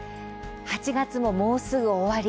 ８月も、もうすぐ終わり。